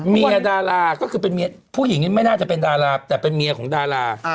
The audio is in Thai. ดาราก็คือเป็นเมียผู้หญิงนี้ไม่น่าจะเป็นดาราแต่เป็นเมียของดารา